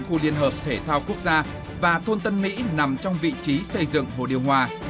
khu liên hợp thể thao quốc gia và thôn tân mỹ nằm trong vị trí xây dựng hồ điều hòa